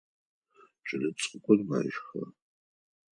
Кӏэлэцӏыкӏур мэщхы.